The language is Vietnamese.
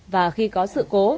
và khi có sự cố